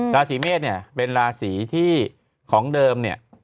ราศีเมษเนี่ยเป็นราศีที่ของเดิมเนี่ย